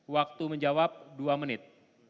waktu menjawab dua menit